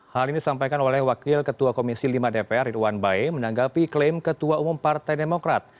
hal ini disampaikan oleh wakil ketua komisi lima dpr ridwan bae menanggapi klaim ketua umum partai demokrat